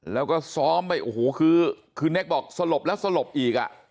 แล้วก็ซ้อมไปโอ้โหคือเน็กบอกสลบแล้วสลบอีกอ่ะ